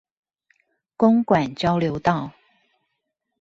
公館交流道